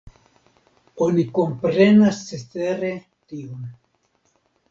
Oni komprenas cetere tion.